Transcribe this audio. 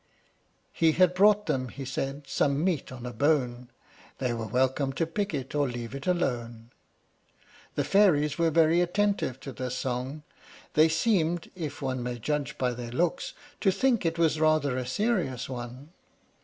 "He had brought them," he said, "some meat on a bone: They were welcome to pick it or leave it alone." The fairies were very attentive to this song; they seemed, if one may judge by their looks, to think it was rather a serious one.